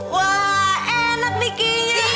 wah enak nih key nya